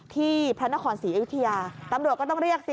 พระนครศรีอยุธยาตำรวจก็ต้องเรียกสิ